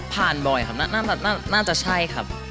บ่อยครับน่าจะใช่ครับ